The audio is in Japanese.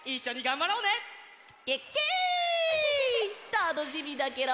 たのしみだケロ！